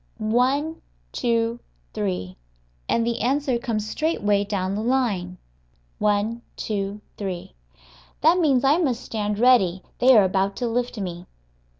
one, two, three. And the answer comes straightway down the line one, two, three. That means I must stand ready; they are about to lift me.